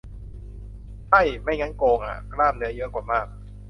ใช่ ไม่งั้นโกงอะ กล้ามเนื้อเยอะกว่ามาก